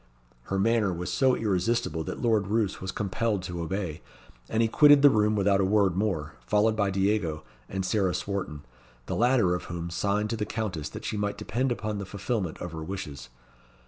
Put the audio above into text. Her manner was so irresistible that Lord Roos was compelled to obey, and he quitted the room without a word more, followed by Diego and Sarah Swarton, the latter of whom signed to the Countess that she might depend upon the fulfilment of her wishes.